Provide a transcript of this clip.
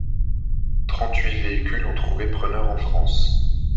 Trente-huit véhicules ont trouvé preneur en France.